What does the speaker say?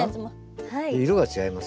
色が違いますよ。